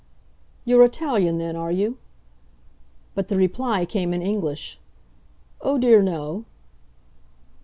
"You're Italian then, are you?" But the reply came in English. "Oh dear no."